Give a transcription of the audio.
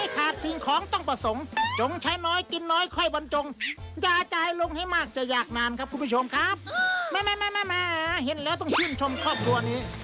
ครับคุณผู้ชมครับไม่เห็นแล้วต้องชื่นชมครอบครัวนี้